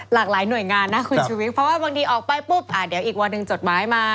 หลากหลายหน่วยงานนะคุณชุวิตเพราะว่าบางทีออกไปปุ๊บเดี๋ยวอีกวันหนึ่งจดหมายมา